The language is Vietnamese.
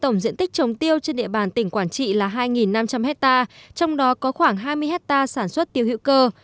tổng diện tích trồng tiêu trên địa bàn tỉnh quản trị là hai năm trăm linh hectare trong đó có khoảng hai mươi hectare sản xuất tiêu hữu cơ